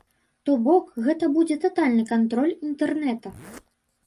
То бок, гэта будзе татальны кантроль інтэрнэта.